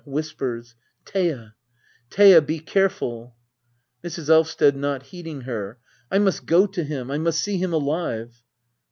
Thea— Thea— be careful I Mrs. Elvsted. [Not heeding her,] I must go to him ! I must see him alive